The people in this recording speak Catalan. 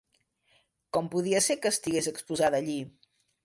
Com podia ser que estigues exposada allí?